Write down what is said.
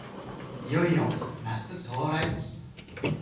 いよいよ夏到来。